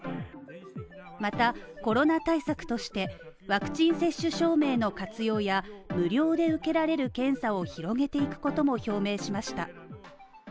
また、コロナ対策としてワクチン接種証明の活用や無料で受けられる検査を広げていくことも表明しました。